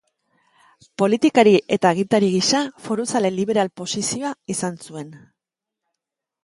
Politikari eta agintari gisa, foruzale liberal posizioa izan zuen.